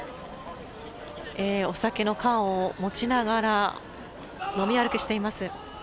お酒の缶を持ちながら飲み歩きしています。